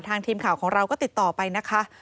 ทีมข่าวของเราก็ติดต่อไปนะคะ